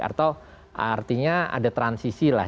atau artinya ada transisi